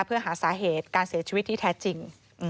เพื่อหาสาเหตุการเสียชีวิตที่แท้จริง